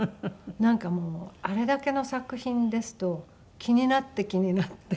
なんかもうあれだけの作品ですと気になって気になって。